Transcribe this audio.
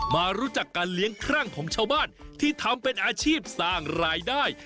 มารู้จักการเลี้ยงครั่งของชาวบ้านที่ทำเป็นอาชีพสร้างรายได้